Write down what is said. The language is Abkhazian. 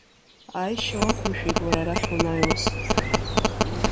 Ааишьа уақәымшәеит уара арахь уанааиуаз!